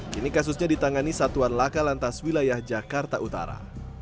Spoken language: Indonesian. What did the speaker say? kini kasusnya ditangani satuan laka lantas wilayah jakarta utara